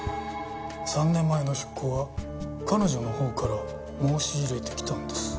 ３年前の出向は彼女のほうから申し入れてきたんです。